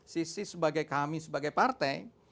sisi sebagai kami sebagai partai